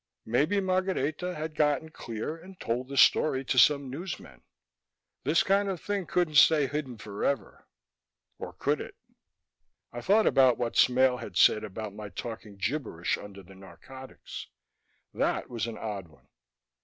Maybe Margareta had gotten clear and told the story to some newsmen; this kind of thing couldn't stay hidden forever. Or could it? I thought about what Smale had said about my talking gibberish under the narcotics. That was an odd one....